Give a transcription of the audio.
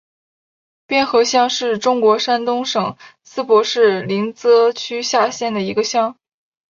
边河乡是中国山东省淄博市临淄区下辖的一个乡。